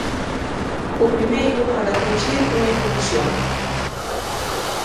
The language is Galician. O primeiro, para corrixir unha imprecisión.